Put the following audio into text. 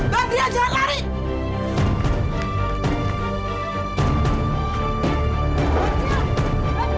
berdia jangan lari